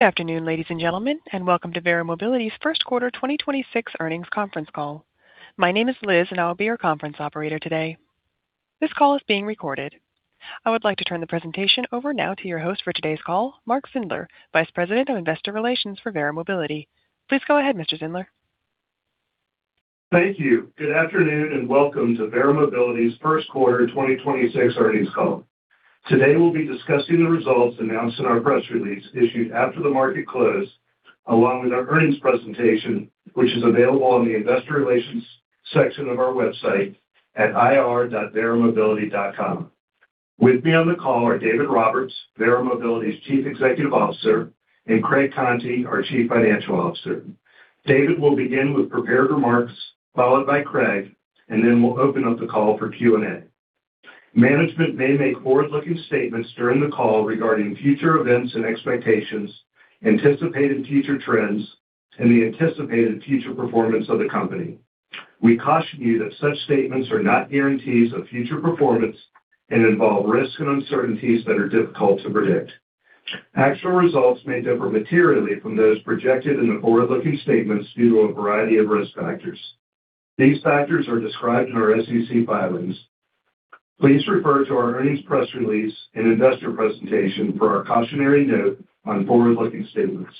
Good afternoon, ladies and gentlemen, and welcome to Verra Mobility's first quarter 2026 earnings conference call. My name is Liz, and I will be your conference operator today. This call is being recorded. I would like to turn the presentation over now to your host for today's call, Mark Zindler, Vice President of Investor Relations for Verra Mobility. Please go ahead, Mr. Zindler. Thank you. Good afternoon, and welcome to Verra Mobility's first quarter 2026 earnings call. Today, we'll be discussing the results announced in our press release issued after the market close, along with our earnings presentation, which is available on the investor relations section of our website at ir.verramobility.com. With me on the call are David Roberts, Verra Mobility's Chief Executive Officer, and Craig Conti, our Chief Financial Officer. David will begin with prepared remarks, followed by Craig, and then we'll open up the call for Q&A. Management may make forward-looking statements during the call regarding future events and expectations, anticipated future trends, and the anticipated future performance of the company. We caution you that such statements are not guarantees of future performance and involve risks and uncertainties that are difficult to predict. Actual results may differ materially from those projected in the forward-looking statements due to a variety of risk factors. These factors are described in our SEC filings. Please refer to our earnings press release and investor presentation for our cautionary note on forward-looking statements.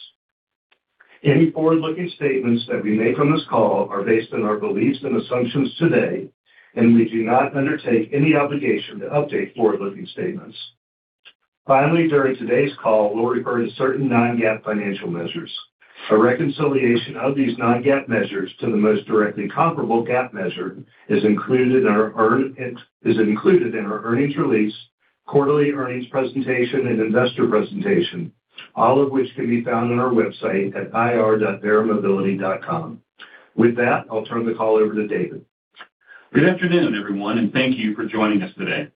Any forward-looking statements that we make on this call are based on our beliefs and assumptions today, and we do not undertake any obligation to update forward-looking statements. Finally, during today's call, we'll refer to certain non-GAAP financial measures. A reconciliation of these non-GAAP measures to the most directly comparable GAAP measure is included in our earnings release, quarterly earnings presentation, and investor presentation, all of which can be found on our website at ir.verramobility.com. With that, I'll turn the call over to David. Good afternoon, everyone, and thank you for joining us today.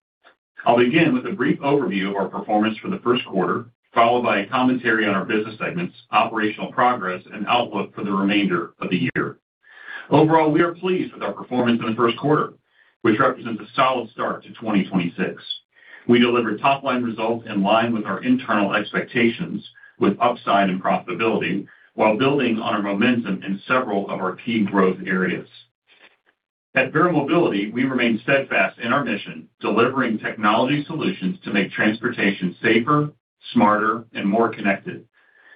I'll begin with a brief overview of our performance for the first quarter, followed by a commentary on our business segments, operational progress, and outlook for the remainder of the year. Overall, we are pleased with our performance in the first quarter, which represents a solid start to 2026. We delivered top-line results in line with our internal expectations with upside and profitability while building on our momentum in several of our key growth areas. At Verra Mobility, we remain steadfast in our mission, delivering technology solutions to make transportation safer, smarter, and more connected.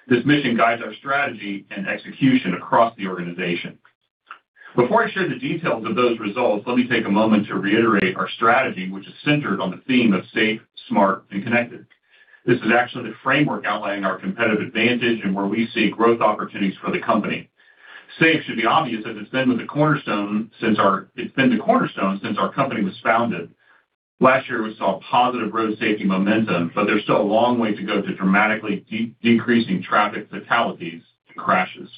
This mission guides our strategy and execution across the organization. Before I share the details of those results, let me take a moment to reiterate our strategy, which is centered on the theme of safe, smart, and connected. This is actually the framework outlining our competitive advantage and where we see growth opportunities for the company. Safe should be obvious, as it's been the cornerstone since our company was founded. Last year, we saw positive road safety momentum, but there's still a long way to go to dramatically decreasing traffic fatalities and crashes.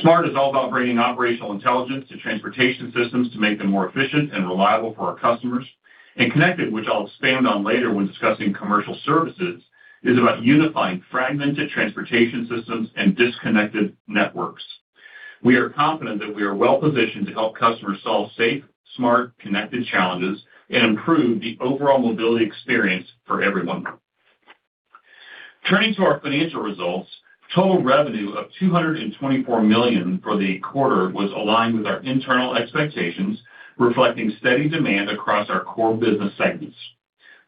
Smart is all about bringing operational intelligence to transportation systems to make them more efficient and reliable for our customers. Connected, which I'll expand on later when discussing Commercial Services, is about unifying fragmented transportation systems and disconnected networks. We are confident that we are well-positioned to help customers solve safe, smart, connected challenges and improve the overall mobility experience for everyone. Turning to our financial results, total revenue of $224 million for the quarter was aligned with our internal expectations, reflecting steady demand across our core business segments.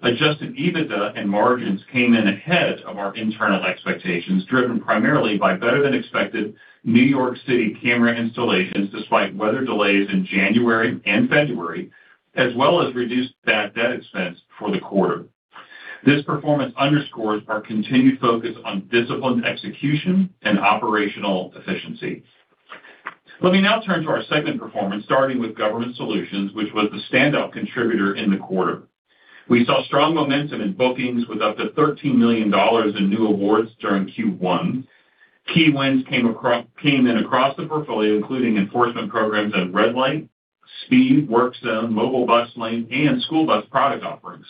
Adjusted EBITDA and margins came in ahead of our internal expectations, driven primarily by better-than-expected New York City camera installations despite weather delays in January and February, as well as reduced bad debt expense for the quarter. This performance underscores our continued focus on disciplined execution and operational efficiency. Let me now turn to our segment performance, starting with Government Solutions, which was the standout contributor in the quarter. We saw strong momentum in bookings with up to $13 million in new awards during Q1. Key wins came in across the portfolio, including enforcement programs at red light, speed, work zone, mobile bus lane, and school bus product offerings.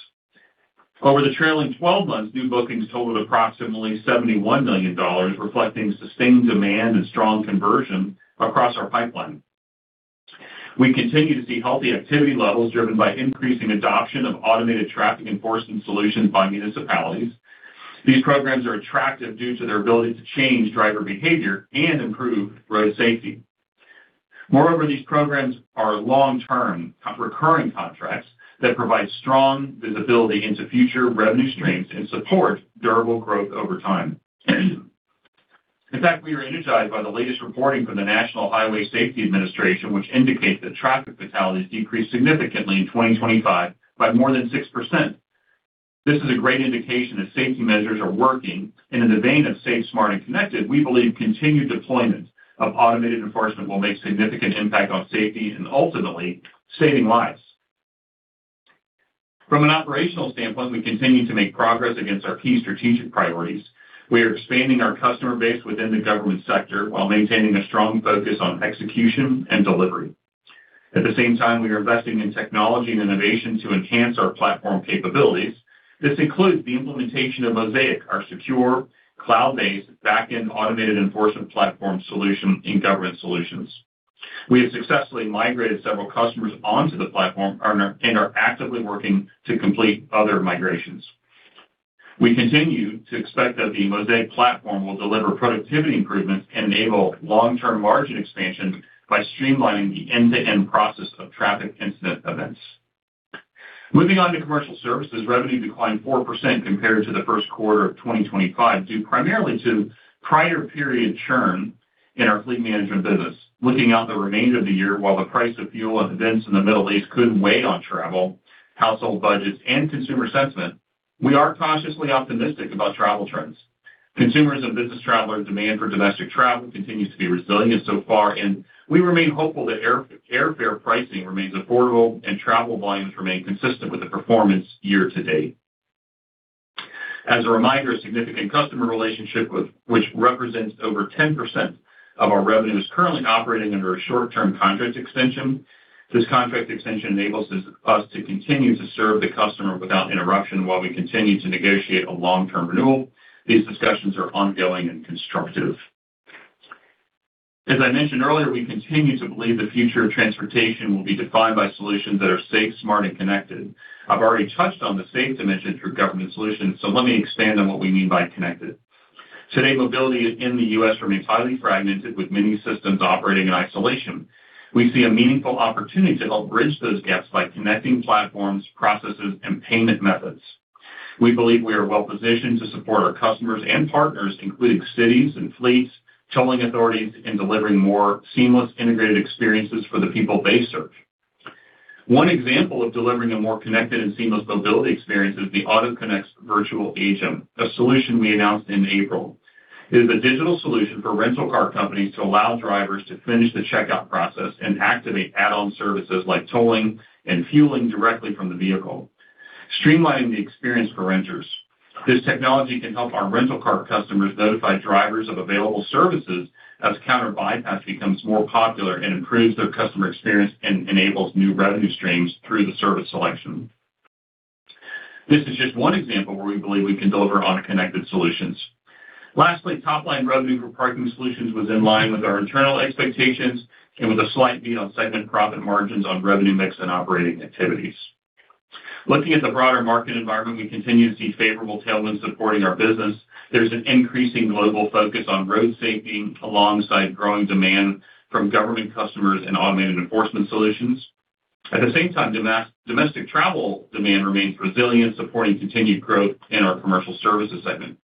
Over the trailing 12 months, new bookings totaled approximately $71 million, reflecting sustained demand and strong conversion across our pipeline. We continue to see healthy activity levels driven by increasing adoption of automated traffic enforcement solutions by municipalities. These programs are attractive due to their ability to change driver behavior and improve road safety. Moreover, these programs are long-term recurring contracts that provide strong visibility into future revenue streams and support durable growth over time. In fact, we are energized by the latest reporting from the National Highway Traffic Safety Administration, which indicates that traffic fatalities decreased significantly in 2025 by more than 6%. This is a great indication that safety measures are working, and in the vein of safe, smart, and connected, we believe continued deployment of automated enforcement will make significant impact on safety and ultimately saving lives. From an operational standpoint, we continue to make progress against our key strategic priorities. We are expanding our customer base within the government sector while maintaining a strong focus on execution and delivery. At the same time, we are investing in technology and innovation to enhance our platform capabilities. This includes the implementation of Mosaic, our secure, cloud-based back-end automated enforcement platform solution in Government Solutions. We have successfully migrated several customers onto the platform and are actively working to complete other migrations. We continue to expect that the Mosaic platform will deliver productivity improvements and enable long-term margin expansion by streamlining the end-to-end process of traffic incident events. Moving on to Commercial Services, revenue declined 4% compared to the first quarter of 2025, due primarily to prior period churn in our fleet management business. Looking out the remainder of the year, while the price of fuel and events in the Middle East could weigh on travel, household budgets, and consumer sentiment, we are cautiously optimistic about travel trends. Consumers and business traveler demand for domestic travel continues to be resilient so far, and we remain hopeful that airfare pricing remains affordable and travel volumes remain consistent with the performance year-to-date. As a reminder, a significant customer relationship which represents over 10% of our revenue, is currently operating under a short-term contract extension. This contract extension enables us to continue to serve the customer without interruption while we continue to negotiate a long-term renewal. These discussions are ongoing and constructive. As I mentioned earlier, we continue to believe the future of transportation will be defined by solutions that are safe, smart, and connected. I've already touched on the safe dimension through Government Solutions. Let me expand on what we mean by connected. Today, mobility in the U.S. remains highly fragmented, with many systems operating in isolation. We see a meaningful opportunity to help bridge those gaps by connecting platforms, processes, and payment methods. We believe we are well-positioned to support our customers and partners, including cities and fleets, tolling authorities, in delivering more seamless integrated experiences for the people they serve. One example of delivering a more connected and seamless mobility experience is the AutoConnect virtual agent, a solution we announced in April. It is a digital solution for rental car companies to allow drivers to finish the checkout process and activate add-on services like tolling and fueling directly from the vehicle, streamlining the experience for renters. This technology can help our rental car customers notify drivers of available services as counter bypass becomes more popular and improves their customer experience and enables new revenue streams through the service selection. This is just one example where we believe we can deliver on connected solutions. Lastly, top-line revenue for Parking Solutions was in line with our internal expectations and with a slight beat on segment profit margins on revenue mix and operating activities. Looking at the broader market environment, we continue to see favorable tailwinds supporting our business. There's an increasing global focus on road safety alongside growing demand from government customers and automated enforcement solutions. At the same time, domestic travel demand remains resilient, supporting continued growth in our Commercial Services segment.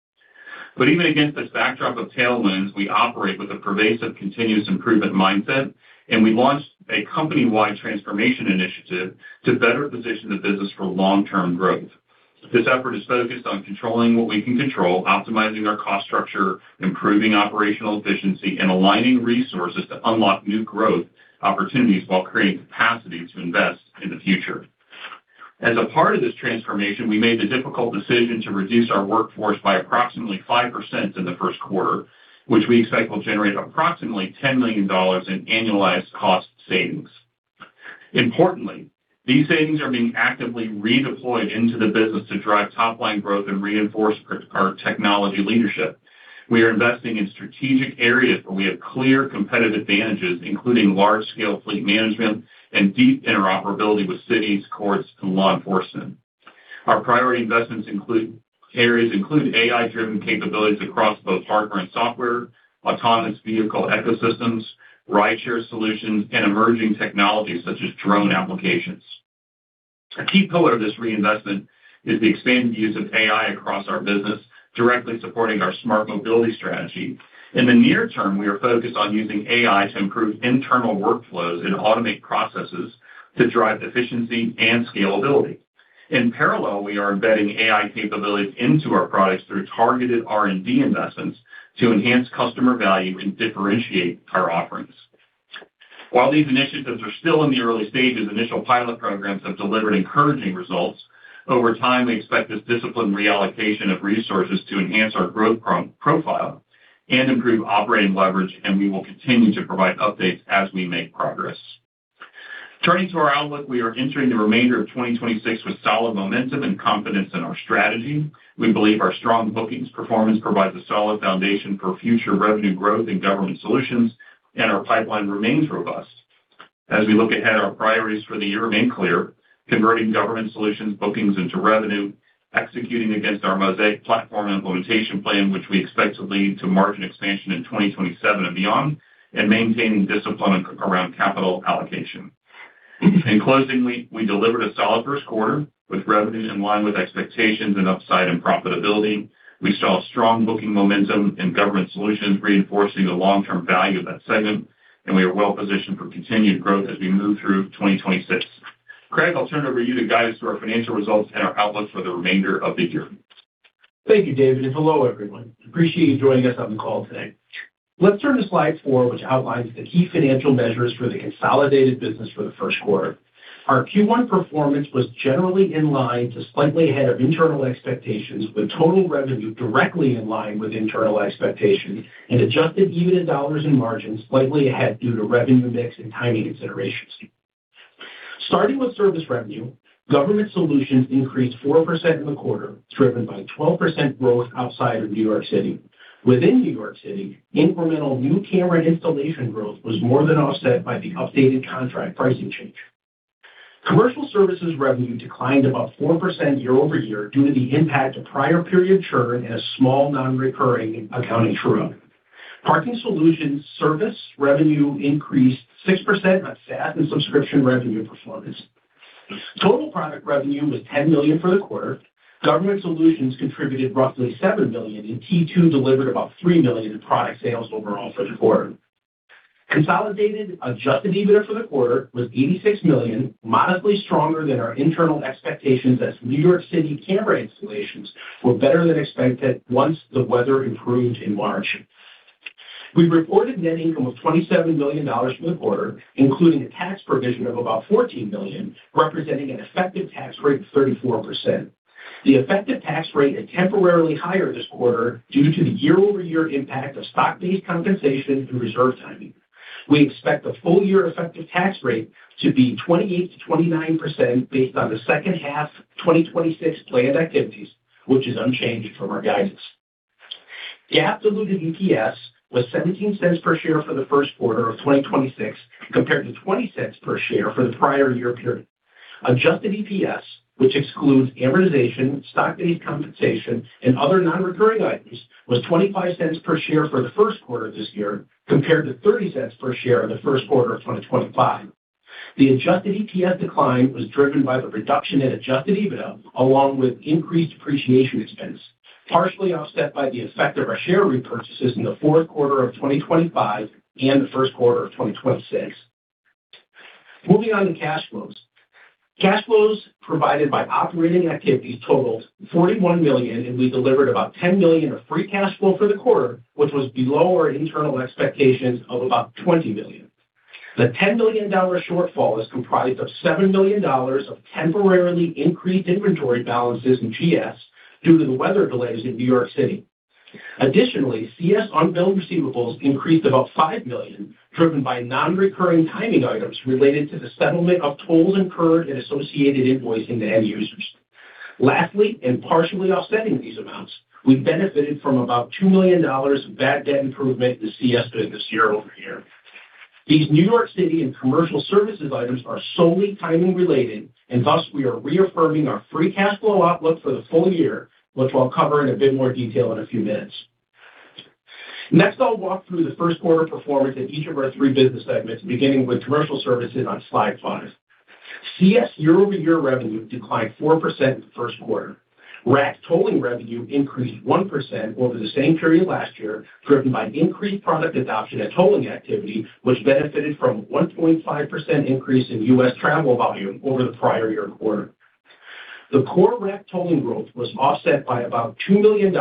Even against this backdrop of tailwinds, we operate with a pervasive continuous improvement mindset, and we launched a company-wide transformation initiative to better position the business for long-term growth. This effort is focused on controlling what we can control, optimizing our cost structure, improving operational efficiency, and aligning resources to unlock new growth opportunities while creating capacity to invest in the future. As a part of this transformation, we made the difficult decision to reduce our workforce by approximately 5% in the first quarter, which we expect will generate approximately $10 million in annualized cost savings. Importantly, these savings are being actively redeployed into the business to drive top-line growth and reinforce our technology leadership. We are investing in strategic areas where we have clear competitive advantages, including large-scale fleet management and deep interoperability with cities, courts, and law enforcement. Our priority investment areas include AI-driven capabilities across both hardware and software, autonomous vehicle ecosystems, rideshare solutions, and emerging technologies such as drone applications. A key pillar of this reinvestment is the expanded use of AI across our business, directly supporting our smart mobility strategy. In the near term, we are focused on using AI to improve internal workflows and automate processes to drive efficiency and scalability. In parallel, we are embedding AI capabilities into our products through targeted R&D investments to enhance customer value and differentiate our offerings. While these initiatives are still in the early stages, initial pilot programs have delivered encouraging results. Over time, we expect this disciplined reallocation of resources to enhance our growth pro-profile and improve operating leverage. We will continue to provide updates as we make progress. Turning to our outlook, we are entering the remainder of 2026 with solid momentum and confidence in our strategy. We believe our strong bookings performance provides a solid foundation for future revenue growth in Government Solutions. Our pipeline remains robust. As we look ahead, our priorities for the year remain clear: converting Government Solutions bookings into revenue, executing against our Mosaic platform implementation plan, which we expect to lead to margin expansion in 2027 and beyond. Maintaining discipline around capital allocation. In closing, we delivered a solid first quarter with revenue in line with expectations and upside in profitability. We saw strong booking momentum in Government Solutions, reinforcing the long-term value of that segment. We are well positioned for continued growth as we move through 2026. Craig, I'll turn it over to you to guide us through our financial results and our outlook for the remainder of the year. Thank you, David, and hello everyone. Appreciate you joining us on the call today. Let's turn to slide four, which outlines the key financial measures for the consolidated business for the first quarter. Our Q1 performance was generally in line to slightly ahead of internal expectations, with total revenue directly in line with internal expectations and adjusted EBITDA dollars and margins slightly ahead due to revenue mix and timing considerations. Starting with service revenue, Government Solutions increased 4% in the quarter, driven by 12% growth outside of New York City. Within New York City, incremental new camera installation growth was more than offset by the updated contract pricing change. Commercial Services revenue declined about 4% year-over-year due to the impact of prior period churn and a small non-recurring accounting true-up. Parking Solutions service revenue increased 6% on SaaS and subscription revenue performance. Total product revenue was $10 million for the quarter. Government Solutions contributed roughly $7 million, and T2 delivered about $3 million in product sales overall for the quarter. Consolidated adjusted EBITDA for the quarter was $86 million, modestly stronger than our internal expectations as New York City camera installations were better than expected once the weather improved in March. We reported net income of $27 million for the quarter, including a tax provision of about $14 million, representing an effective tax rate of 34%. The effective tax rate is temporarily higher this quarter due to the year-over-year impact of stock-based compensation and reserve timing. We expect the full year effective tax rate to be 28%-29% based on the second half 2026 planned activities, which is unchanged from our guidance. The absolute EPS was $0.17 per share for the first quarter of 2026, compared to $0.20 per share for the prior year period. Adjusted EPS, which excludes amortization, stock-based compensation, and other non-recurring items, was $0.25 per share for the first quarter of this year, compared to $0.30 per share in the first quarter of 2025. The adjusted EPS decline was driven by the reduction in adjusted EBITDA, along with increased depreciation expense, partially offset by the effect of our share repurchases in the fourth quarter of 2025 and the first quarter of 2026. Moving on to cash flows. Cash flows provided by operating activities totaled $41 million, and we delivered about $10 million of free cash flow for the quarter, which was below our internal expectations of about $20 million. The $10 million shortfall is comprised of $7 million of temporarily increased inventory balances in GS due to the weather delays in New York City. CS unbilled receivables increased about $5 million, driven by non-recurring timing items related to the settlement of tolls incurred and associated invoicing to end users. Lastly, partially offsetting these amounts, we benefited from about $2 million of bad debt improvement in the CS business year-over-year. These New York City and Commercial Services items are solely timing related, thus we are reaffirming our free cash flow outlook for the full year, which I'll cover in a bit more detail in a few minutes. I'll walk through the first quarter performance in each of our three business segments, beginning with Commercial Services on slide five. CS year-over-year revenue declined 4% in the first quarter. RAC tolling revenue increased 1% over the same period last year, driven by increased product adoption and tolling activity, which benefited from 1.5% increase in U.S. travel volume over the prior year quarter. The core RAC tolling growth was offset by about $2 million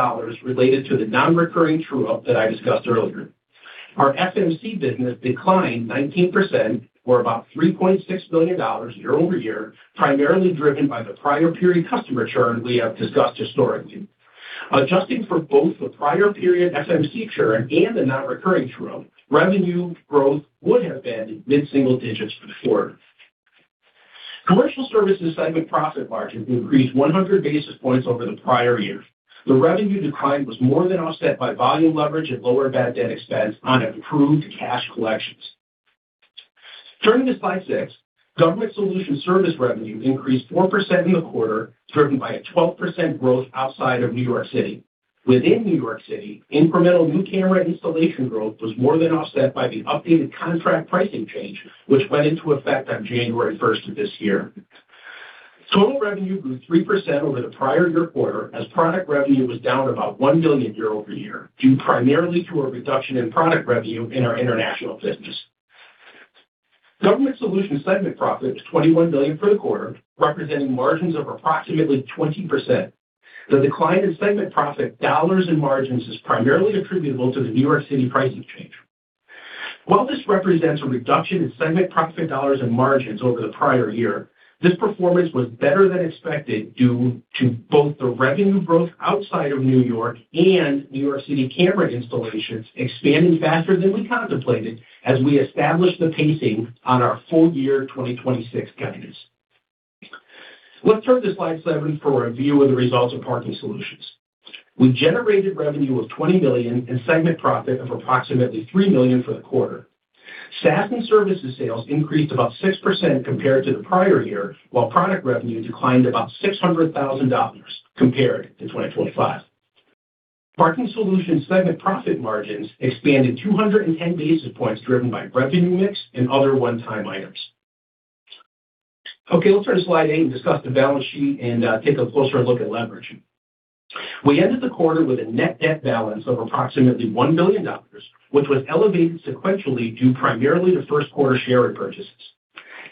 related to the non-recurring true-up that I discussed earlier. Our FMC business declined 19% or about $3.6 million year-over-year, primarily driven by the prior period customer churn we have discussed historically. Adjusting for both the prior period FMC churn and the non-recurring true-up, revenue growth would have been mid-single digits for the quarter. Commercial Services segment profit margins increased 100 basis points over the prior year. The revenue decline was more than offset by volume leverage and lower bad debt expense on improved cash collections. Turning to slide 6, Government Solutions service revenue increased 4% in the quarter, driven by a 12% growth outside of New York City. Within New York City, incremental new camera installation growth was more than offset by the updated contract pricing change, which went into effect on January 1st of this year. Total revenue grew 3% over the prior year quarter as product revenue was down about $1 million year-over-year, due primarily to a reduction in product revenue in our international business. Government Solutions segment profit was $21 million for the quarter, representing margins of approximately 20%. The decline in segment profit dollars and margins is primarily attributable to the New York City pricing change. While this represents a reduction in segment profit dollars and margins over the prior year, this performance was better than expected due to both the revenue growth outside of New York and New York City camera installations expanding faster than we contemplated as we established the pacing on our full year 2026 guidance. Let's turn to slide seven for a view of the results of Parking Solutions. We generated revenue of $20 million and segment profit of approximately $3 million for the quarter. SaaS and services sales increased about 6% compared to the prior year, while product revenue declined about $600,000 compared to 2025. Parking Solutions segment profit margins expanded 210 basis points driven by revenue mix and other one-time items. Okay, let's turn to slide 8 and discuss the balance sheet and take a closer look at leverage. We ended the quarter with a net debt balance of approximately $1 million, which was elevated sequentially due primarily to first quarter share repurchases.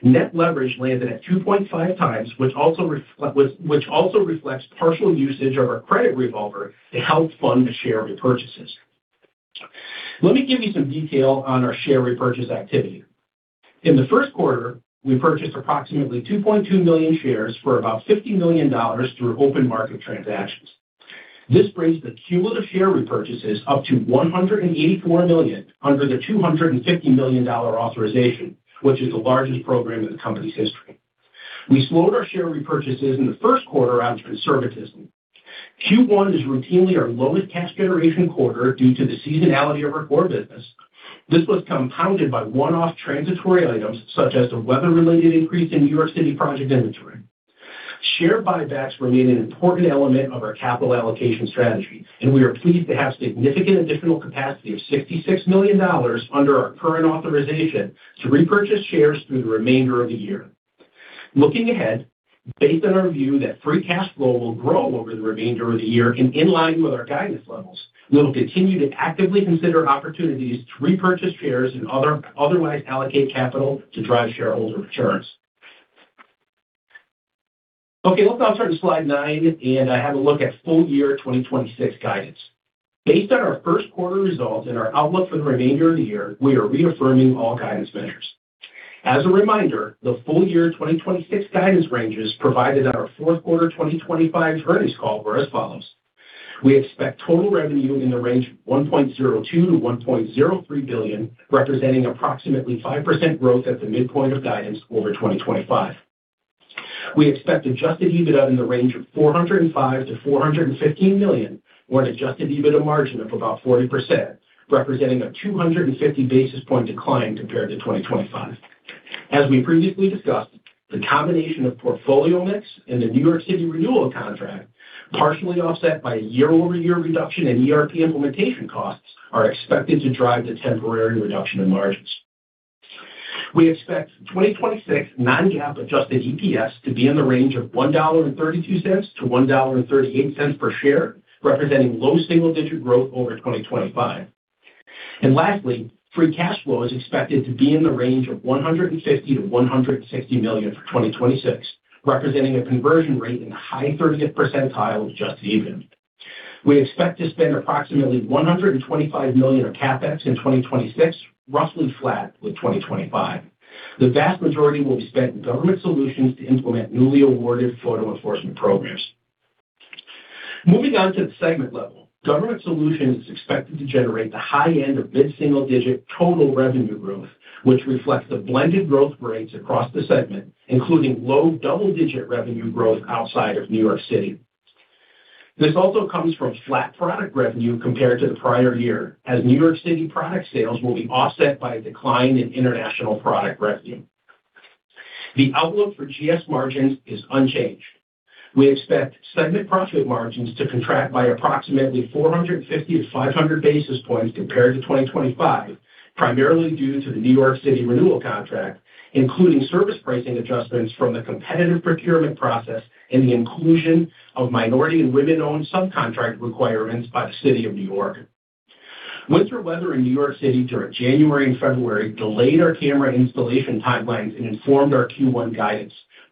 Net leverage landed at 2.5 times, which also reflects partial usage of our credit revolver to help fund the share repurchases. Let me give you some detail on our share repurchase activity. In the first quarter, we purchased approximately 2.2 million shares for about $50 million through open market transactions. This brings the cumulative share repurchases up to $184 million under the $250 million authorization, which is the largest program in the company's history. We slowed our share repurchases in the first quarter out of conservatism. Q1 is routinely our lowest cash generation quarter due to the seasonality of our core business. This was compounded by one-off transitory items such as the weather-related increase in City of New York project inventory. Share buybacks remain an important element of our capital allocation strategy. We are pleased to have significant additional capacity of $66 million under our current authorization to repurchase shares through the remainder of the year. Looking ahead, based on our view that free cash flow will grow over the remainder of the year and in line with our guidance levels, we will continue to actively consider opportunities to repurchase shares and otherwise allocate capital to drive shareholder returns. Okay, let's now turn to slide 9. Have a look at full year 2026 guidance. Based on our first quarter results and our outlook for the remainder of the year, we are reaffirming all guidance measures. As a reminder, the full year 2026 guidance ranges provided at our fourth quarter 2025 earnings call were as follows: We expect total revenue in the range $1.02 billion-$1.03 billion, representing approximately 5% growth at the midpoint of guidance over 2025. We expect adjusted EBITDA in the range of $405 million-$415 million, or an adjusted EBITDA margin of about 40%, representing a 250 basis point decline compared to 2025. As we previously discussed, the combination of portfolio mix and the City of New York renewal contract, partially offset by a year-over-year reduction in ERP implementation costs, are expected to drive the temporary reduction in margins. We expect 2026 non-GAAP adjusted EPS to be in the range of $1.32 to $1.38 per share, representing low single-digit growth over 2025. Lastly, free cash flow is expected to be in the range of $150 million-$160 million for 2026, representing a conversion rate in the high 30th percentile of adjusted EBITDA. We expect to spend approximately $125 million of CapEx in 2026, roughly flat with 2025. The vast majority will be spent in Government Solutions to implement newly awarded photo enforcement programs. Moving on to the segment level, Government Solutions is expected to generate the high end of mid-single-digit total revenue growth, which reflects the blended growth rates across the segment, including low double-digit revenue growth outside of New York City. This also comes from flat product revenue compared to the prior year, as New York City product sales will be offset by a decline in international product revenue. The outlook for GS margins is unchanged. We expect segment profit margins to contract by approximately 450 to 500 basis points compared to 2025, primarily due to the New York City renewal contract, including service pricing adjustments from the competitive procurement process and the inclusion of minority and women-owned subcontract requirements by the City of New York.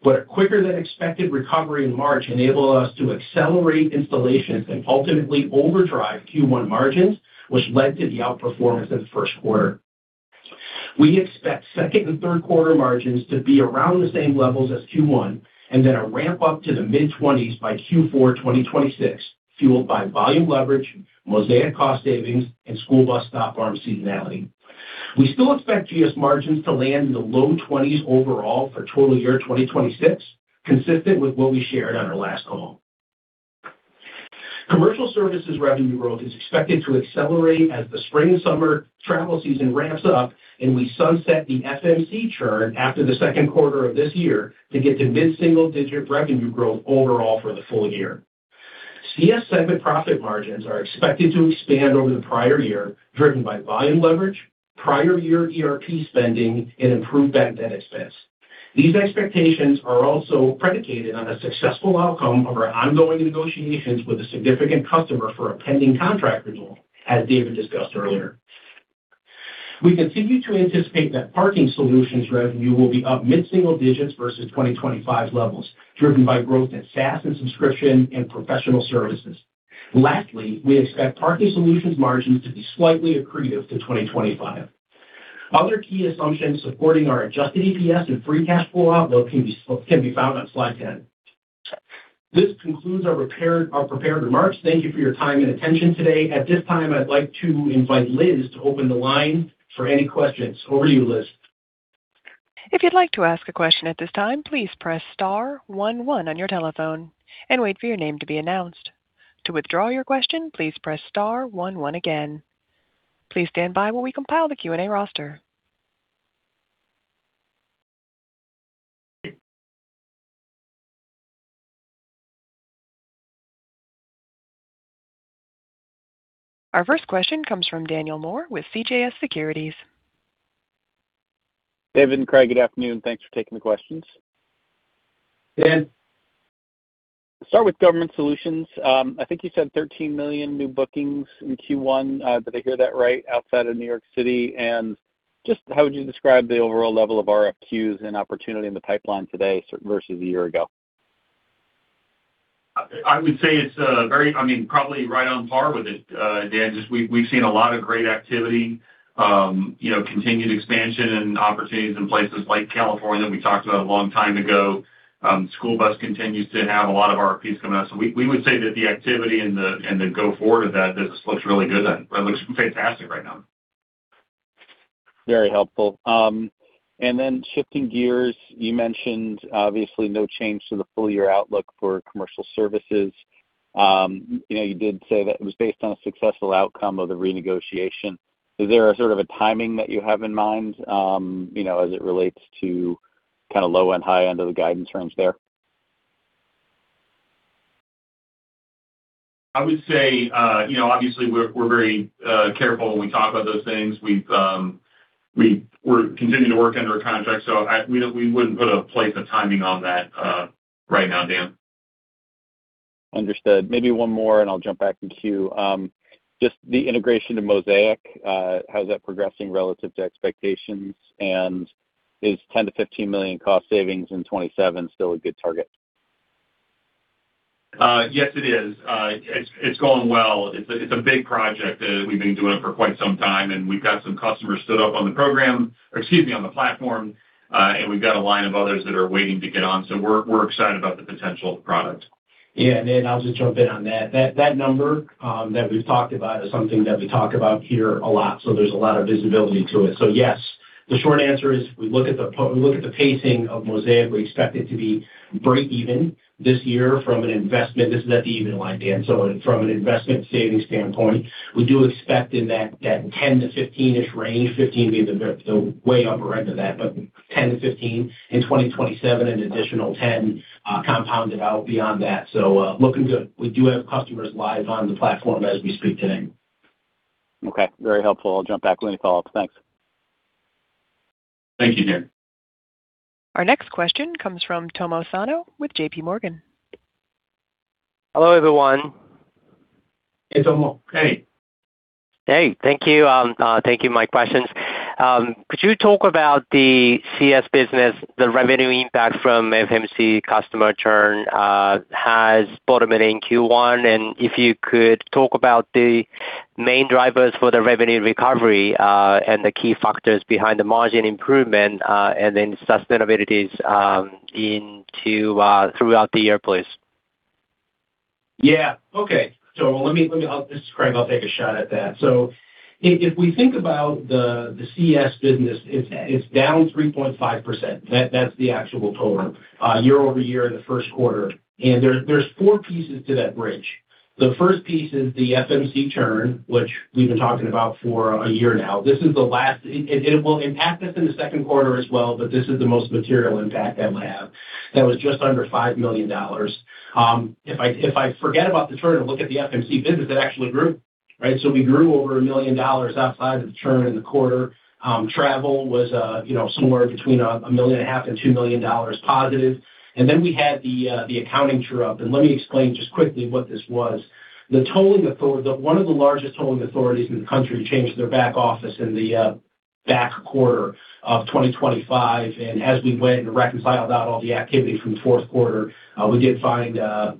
A quicker than expected recovery in March enabled us to accelerate installations and ultimately overdrive Q1 margins, which led to the outperformance of the first quarter. We expect 2nd and 3rd quarter margins to be around the same levels as Q1, and then a ramp up to the mid-20s by Q4 2026, fueled by volume leverage, Mosaic cost savings, and school bus stop arm seasonality. We still expect GS margins to land in the low 20s overall for total year 2026, consistent with what we shared on our last call. Commercial Services revenue growth is expected to accelerate as the spring/summer travel season ramps up, and we sunset the FMC churn after the 2nd quarter of this year to get to mid-single-digit revenue growth overall for the full year. CS segment profit margins are expected to expand over the prior year, driven by volume leverage, prior year ERP spending, and improved bad debt expense. These expectations are also predicated on a successful outcome of our ongoing negotiations with a significant customer for a pending contract renewal, as David discussed earlier. We continue to anticipate that Parking Solutions revenue will be up mid-single digits versus 2025 levels, driven by growth in SaaS and subscription and professional services. Lastly, we expect Parking Solutions margins to be slightly accretive to 2025. Other key assumptions supporting our adjusted EPS and free cash flow outlook can be found on slide 10. This concludes our prepared remarks. Thank you for your time and attention today. At this time, I'd like to invite Liz to open the line for any questions. Over to you, Liz. If you'd like to ask a question at this time, please press star one one on your telephone and wait for your name to be announced. To withdraw your question, please press star one one again. Please stand by while we compile the Q&A roster. Our first question comes from Daniel Moore with CJS Securities. David and Craig, good afternoon. Thanks for taking the questions. Dan. Start with Government Solutions. I think you said $13 million new bookings in Q1, did I hear that right, outside of New York City? Just how would you describe the overall level of RFQs and opportunity in the pipeline today versus a year ago? I would say it's, I mean, probably right on par with it, Daniel Moore. Just we've seen a lot of great activity, you know, continued expansion and opportunities in places like California we talked about a long time ago. School bus continues to have a lot of RFPs coming out. We would say that the activity and the go forward of that business looks really good. It looks fantastic right now. Very helpful. Then shifting gears, you mentioned obviously no change to the full year outlook for Commercial Services. You know, you did say that it was based on a successful outcome of the renegotiation. Is there a sort of a timing that you have in mind, you know, as it relates to kind of low and high end of the guidance range there? I would say, you know, obviously we're very careful when we talk about those things. We're continuing to work under a contract, so we wouldn't put a place of timing on that right now, Dan. Understood. Maybe one more, and I'll jump back in queue. Just the integration to Mosaic, how's that progressing relative to expectations? Is $10 million-$15 million cost savings in 2027 still a good target? Yes, it is. It's going well. It's a big project. We've been doing it for quite some time, and we've got some customers stood up on the program, or excuse me, on the platform, and we've got a line of others that are waiting to get on. We're excited about the potential of the product. Yeah. Dan, I'll just jump in on that. That number that we've talked about is something that we talk about here a lot, so there's a lot of visibility to it. Yes, the short answer is we look at the pacing of Mosaic, we expect it to be breakeven this year from an investment. This is at the even line, Dan. From an investment savings standpoint, we do expect in that 10-15ish range, 15 being the way upper end of that, but 10-15 in 2027, an additional 10 compounded out beyond that. Looking good. We do have customers live on the platform as we speak today. Okay. Very helpful. I'll jump back when any follow-ups. Thanks. Thank you, Dan. Our next question comes from Tomohiko Sano with JPMorgan. Hello, everyone. Hey, Tomo. Hey. Hey. Thank you. Thank you. My questions, could you talk about the CS business, the revenue impact from FMC customer churn, has bottoming Q1? If you could talk about the main drivers for the revenue recovery, and the key factors behind the margin improvement, and then sustainabilities, into throughout the year, please. Yeah. Okay. Let me, let me, this is Craig. I'll take a shot at that. If, if we think about the CS business, it's down 3.5%. That, that's the actual total, year-over-year in the first quarter. There, there's four pieces to that bridge. The first piece is the FMC churn, which we've been talking about for 1 year now. It will impact us in the second quarter as well, but this is the most material impact that we have. That was just under $5 million. If I, if I forget about the churn and look at the FMC business, it actually grew, right? We grew over $1 million outside of the churn in the quarter. Travel was, you know, somewhere between a million and a half dollars and $2 million positive. We had the accounting true-up. Let me explain just quickly what this was. The one of the largest tolling authorities in the country changed their back office in the back quarter of 2025. As we went and reconciled out all the activity from the fourth quarter, we did find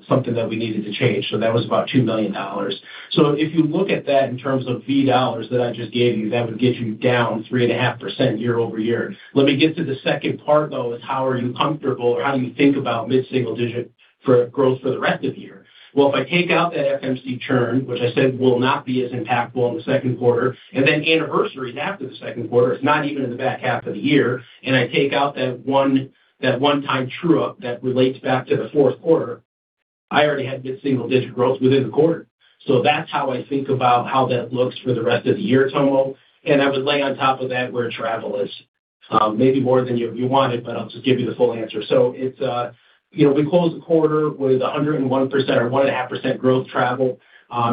something that we needed to change. That was about $2 million. If you look at that in terms of V dollars that I just gave you, that would get you down 3.5% year-over-year. Let me get to the second part, though, is how are you comfortable, or how do you think about mid-single digit for growth for the rest of the year? If I take out that FMC churn, which I said will not be as impactful in the second quarter, and then anniversaries after the second quarter, it's not even in the back half of the year, and I take out that one time true-up that relates back to the fourth quarter, I already had mid-single digit growth within the quarter. That's how I think about how that looks for the rest of the year, Tomo. I would lay on top of that where travel is, maybe more than you wanted, but I'll just give you the full answer. It's, you know, we closed the quarter with 101% or 1.5% growth travel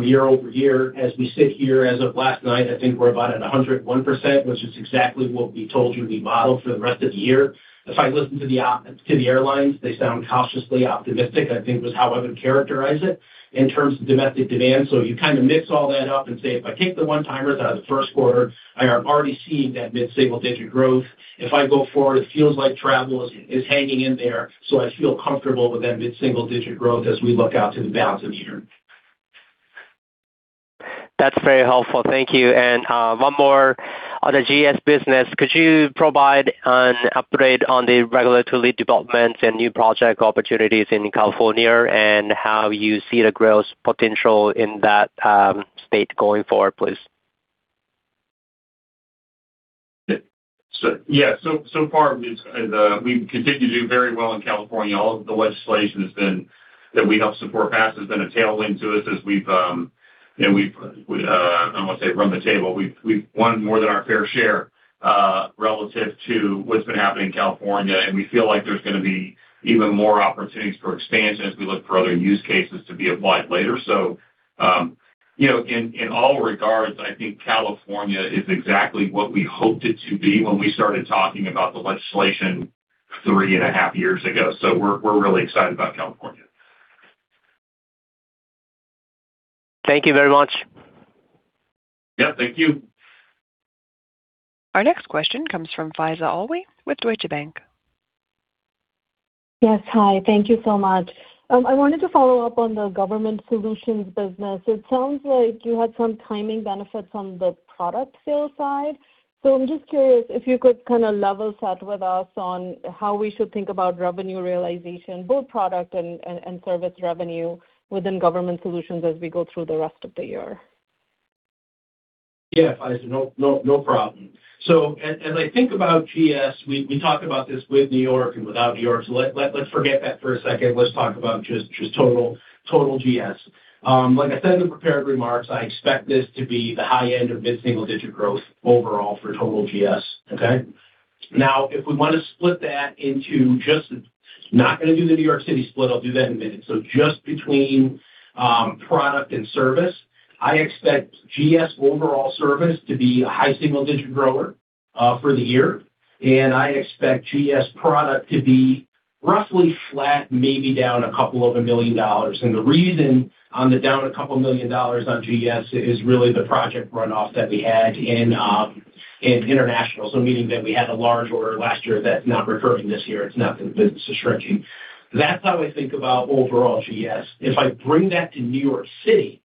year-over-year. As we sit here as of last night, I think we're about at 101%, which is exactly what we told you we modeled for the rest of the year. If I listen to the airlines, they sound cautiously optimistic, I think was how I would characterize it in terms of domestic demand. You kind of mix all that up and say, if I take the one-timers out of the first quarter, I am already seeing that mid-single digit growth. If I go forward, it feels like travel is hanging in there, so I feel comfortable with that mid-single digit growth as we look out to the balance of the year. That's very helpful. Thank you. One more on the GS business. Could you provide an update on the regulatory developments and new project opportunities in California and how you see the growth potential in that state going forward, please? Yeah. So far, we've continued to do very well in California. All of the legislation that we helped support pass has been a tailwind to us as we've, you know, we've I wanna say run the table. We've won more than our fair share relative to what's been happening in California, and we feel like there's gonna be even more opportunities for expansion as we look for other use cases to be applied later. You know, in all regards, I think California is exactly what we hoped it to be when we started talking about the legislation three and a half years ago. We're really excited about California. Thank you very much. Yeah. Thank you. Our next question comes from Faiza Alwy with Deutsche Bank. Yes. Hi. Thank you so much. I wanted to follow up on the Government Solutions business. It sounds like you had some timing benefits on the product sales side. I'm just curious if you could kinda level set with us on how we should think about revenue realization, both product and service revenue within Government Solutions as we go through the rest of the year. Yeah, Faiza, no, no problem. As I think about GS, we talk about this with New York and without New York, let's forget that for a second. Let's talk about just total GS. Like I said in the prepared remarks, I expect this to be the high end of mid-single-digit growth overall for total GS. Okay. If we wanna split that into just I'm not gonna do the New York City split, I'll do that in a minute. Just between product and service, I expect GS overall service to be a high single-digit grower for the year. I expect GS product to be roughly flat, maybe down a couple of a million dollars. The reason on the down $2 million on Government Solutions is really the project runoff that we had in international. Meaning that we had a large order last year that is not recurring this year. It is not the business is shrinking. That is how I think about overall Government Solutions. If I bring that to New York City,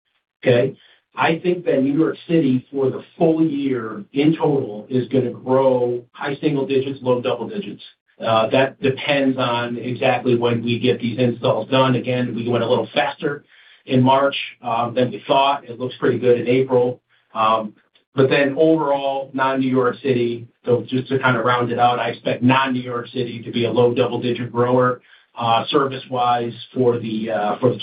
I think that New York City for the full year in total is going to grow high single digits, low double digits. That depends on exactly when we get these installs done. Again, we went a little faster in March than we thought. It looks pretty good in April. Overall, non-New York City, just to kind of round it out, I expect non-New York City to be a low double-digit grower, service-wise for the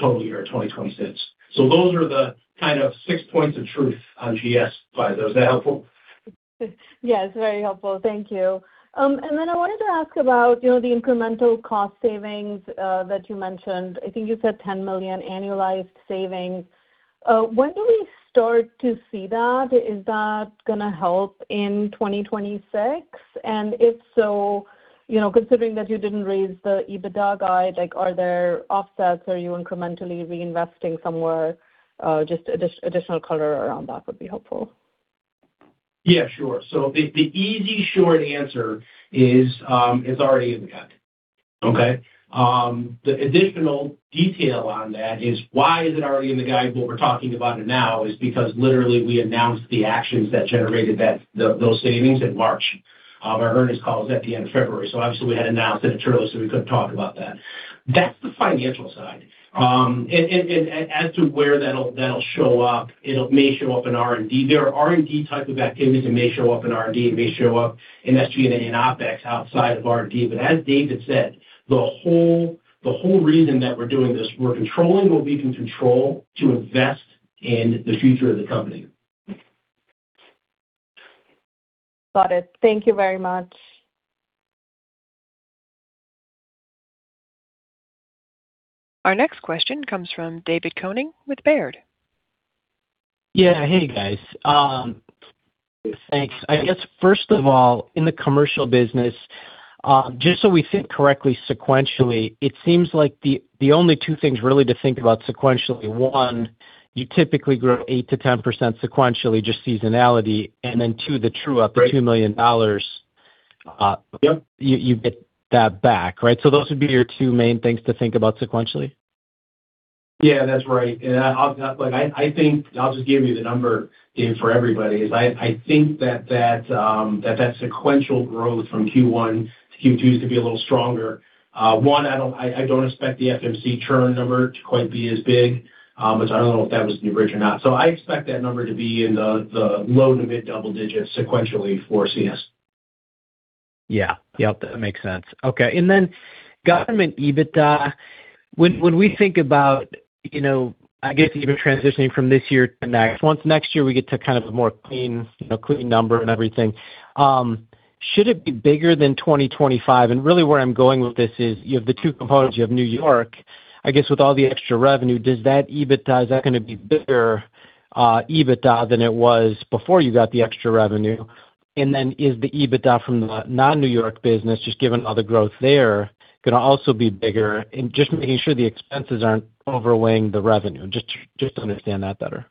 total year of 2026. Those are the kind of 6 points of truth on GS, Faiza. Is that helpful? Yes, very helpful. Thank you. I wanted to ask about, you know, the incremental cost savings that you mentioned. I think you said $10 million annualized savings. When do we start to see that? Is that gonna help in 2026? If so, you know, considering that you didn't raise the EBITDA guide, like are there offsets? Are you incrementally reinvesting somewhere? Just additional color around that would be helpful. Yeah, sure. The easy short answer is, it's already in the guide. Okay. The additional detail on that is why is it already in the guide, but we're talking about it now is because literally, we announced the actions that generated those savings in March. Our earnings call was at the end of February, so obviously we had announced it internally, so we couldn't talk about that. That's the financial side. And as to where that'll show up, it'll may show up in R&D. There are R&D type of activities that may show up in R&D. It may show up in SG&A and OpEx outside of R&D. As David said, the whole reason that we're doing this, we're controlling what we can control to invest in the future of the company. Got it. Thank you very much. Our next question comes from David Koning with Baird. Yeah. Hey, guys. Thanks. I guess, first of all, in the Commercial Services business, just so we think correctly sequentially, it seems like the only two things really to think about sequentially, one, you typically grow 8%-10% sequentially, just seasonality. Two, the true up to $2 million you get that back. Right? Those would be your two main things to think about sequentially? Yeah, that's right. I'll, like I think I'll just give you the number, Dave, for everybody, is I think that sequential growth from Q1 to Q2 is going to be a little stronger. one, I don't expect the FMC churn number to quite be as big. Which I don't know if that was in your bridge or not. I expect that number to be in the low to mid double digits sequentially for CS. Yeah. Yep, that makes sense. Okay. Then government EBITDA, when we think about, you know, I guess even transitioning from this year to next, once next year we get to kind of a more clean, you know, clean number and everything, should it be bigger than 2025? Really where I'm going with this is you have the two components. You have New York, I guess with all the extra revenue, does that EBITDA, is that gonna be bigger EBITDA than it was before you got the extra revenue? Then is the EBITDA from the non-New York business, just given all the growth there, gonna also be bigger? Just making sure the expenses aren't overlaying the revenue. Just to understand that better.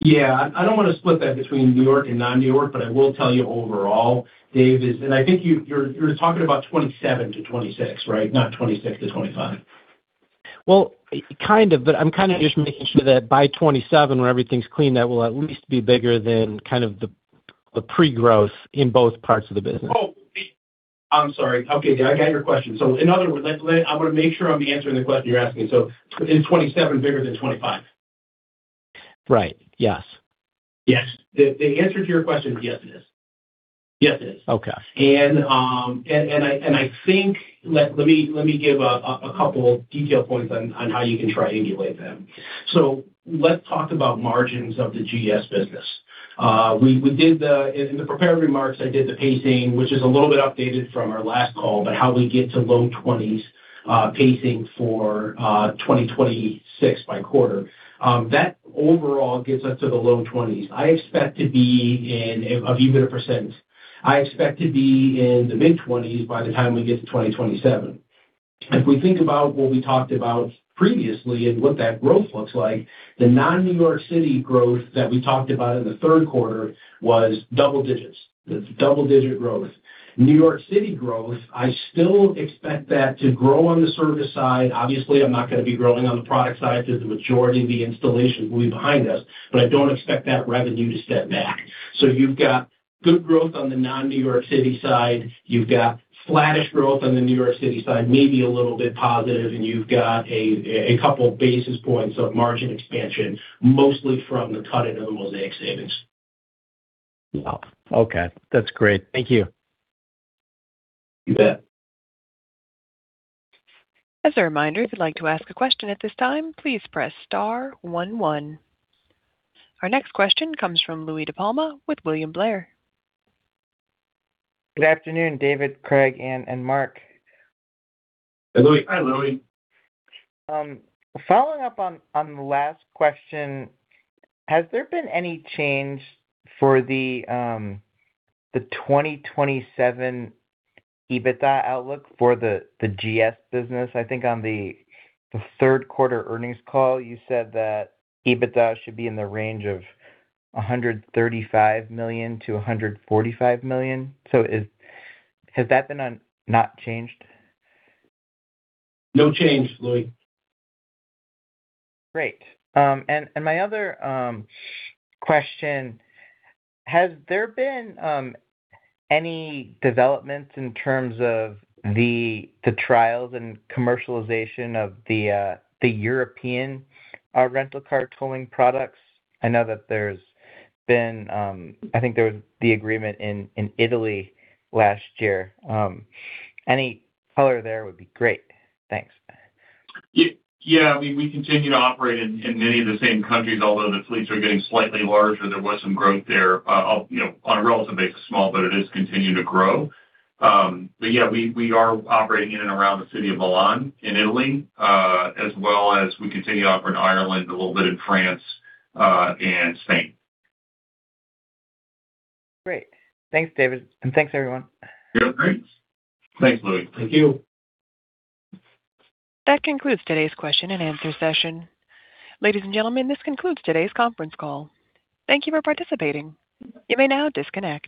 Yeah. I don't wanna split that between New York and non-New York, but I will tell you overall, David, is I think you're, you're talking about 2027 to 2026, right? Not 2026 to 2025. kind of, but I'm kinda just making sure that by 2027, when everything's clean, that will at least be bigger than kind of the pre-growth in both parts of the business. Oh, I'm sorry. Okay, yeah, I got your question. In other words, let I want to make sure I'm answering the question you're asking. Is 27 bigger than 25? Right. Yes. Yes. The answer to your question is yes, it is. Yes, it is. Okay. I think, let me give a couple detail points on how you can triangulate them. So let's talk about margins of the GS business. We did the in the prepared remarks, I did the pacing, which is a little bit outdated from our last call, but how we get to low 20s pacing for 2026 by quarter. That overall gets us to the low 20s. I expect to be in, of EBITDA percentage, I expect to be in the mid-20s by the time we get to 2027. If we think about what we talked about previously and what that growth looks like, the non-New York City growth that we talked about in the third quarter was double digits. It's double-digit growth. New York City growth, I still expect that to grow on the service side. Obviously, I'm not gonna be growing on the product side because the majority of the installation will be behind us, but I don't expect that revenue to step back. So you've got good growth on the non-New York City side. You've got flattish growth on the New York City side, maybe a little bit positive, and you've got a couple basis points of margin expansion, mostly from the cut into the Mosaic savings. Wow. Okay. That's great. Thank you. You bet. As a reminder, if you'd like to ask a question at this time, please press star one one. Our next question comes from Louie DiPalma with William Blair. Good afternoon, David, Craig, Anne, and Mark. Hey, Louie. Hi, Louie. Following up on the last question, has there been any change for the 2027 EBITDA outlook for the GS business? I think on the third quarter earnings call, you said that EBITDA should be in the range of $135 million-$145 million. Has that been not changed? No change, Louie. Great. And my other question, has there been any developments in terms of the trials and commercialization of the European rental car tolling products? I know that there's been I think there was the agreement in Italy last year. Any color there would be great. Thanks. Yeah, we continue to operate in many of the same countries, although the fleets are getting slightly larger. There was some growth there, you know, on a relative basis, small, but it is continuing to grow. Yeah, we are operating in and around the city of Milan in Italy, as well as we continue to operate in Ireland, a little bit in France, and Spain. Great. Thanks, David, and thanks, everyone. Yeah, thanks. Thanks, Louie. Thank you. That concludes today's question and answer session. Ladies and gentlemen, this concludes today's conference call. Thank you for participating. You may now disconnect.